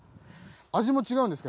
味も違うんですか？